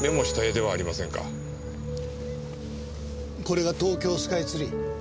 これが東京スカイツリー。